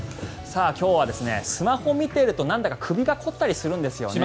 今日はスマホを見てるとなんだか首が凝ったりするんですよね。